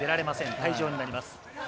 退場になります。